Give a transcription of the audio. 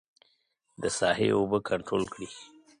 د ساحې اوبه کنترول کړي.